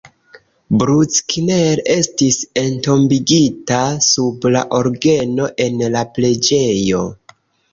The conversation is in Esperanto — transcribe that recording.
Bruckner estis entombigita sub la orgeno en la preĝejo.